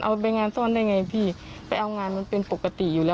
ไปงานซ่อนได้ไงพี่ไปเอางานมันเป็นปกติอยู่แล้ว